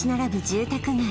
住宅街